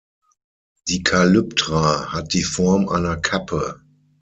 Die Kalyptra hat die Form einer Kappe.